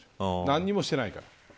何もしてないから。